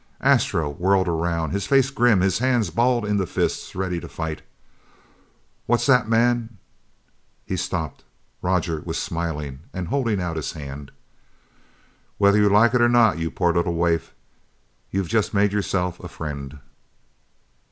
Astro whirled around, his face grim, his hands balled into fists, ready to fight. "What's that, Mann ?" He stopped. Roger was smiling and holding out his hand. "Whether you like it or not, you poor little waif, you've just made yourself a friend."